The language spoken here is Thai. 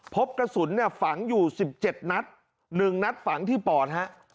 พบกระสุนเนี่ยฝังอยู่สิบเจ็ดนัดหนึ่งนัดฝังที่ป่อนฮะ